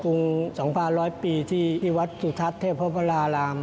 กรุงสองพาหร้อยปีที่วัดสุทัศน์เทพพระราม